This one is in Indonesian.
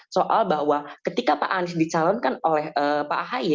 soal bahwa ketika pak anies dicalonkan oleh pak ahy